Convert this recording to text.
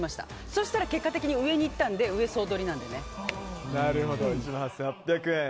そしたら結果的に上にいったんで上、総取りなんでね。